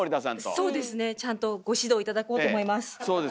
そうですねちゃんとご指導頂こうと思います。